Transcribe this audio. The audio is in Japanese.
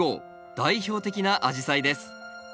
代表的なアジサイです。